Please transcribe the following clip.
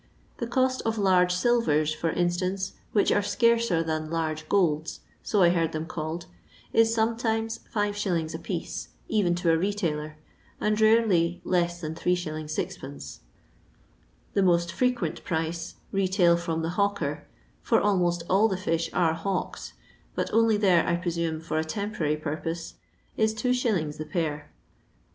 The cost of "large silvers," for instance, which are scarcer than " large golds," so I heard them called, is sometimes 5«. apiece, even to a retailer, and rarely less than 3«. 6d. The most frequent price, retail from the hawker — for almost all the fish are hawked, but only there, I presume, for a tem porary purpose — is 2s. the pair.